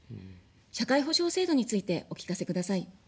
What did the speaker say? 社会保障制度についてお聞かせください。